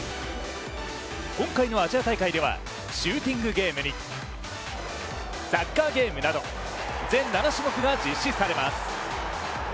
今回のアジア大会ではシューティングゲームにサッカーゲームなど全７種目が実施されます。